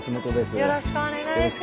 よろしくお願いします。